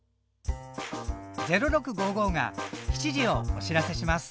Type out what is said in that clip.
「０６」が７時をお知らせします。